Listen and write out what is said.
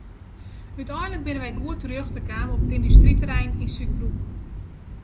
Uteinlik binne wy goed terjochte kaam op it yndustryterrein yn Súdbroek.